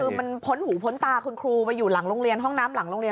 คือมันพ้นหูพ้นตาคุณครูไปอยู่หลังโรงเรียนห้องน้ำหลังโรงเรียน